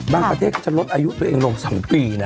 ประเทศเขาจะลดอายุตัวเองลง๒ปีนะ